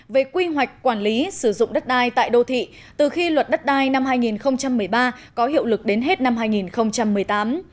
về quy hoạch quản lý sử dụng đất đai tại đô thị từ khi luật đất đai năm hai nghìn một mươi ba có hiệu lực đến hết năm hai nghìn một mươi tám